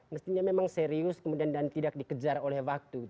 mestinya memang serius kemudian dan tidak dikejar oleh waktu